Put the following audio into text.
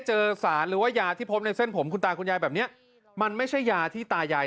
เพราะว่าถ้าเราพลูกผ่านไปเราก็ตาย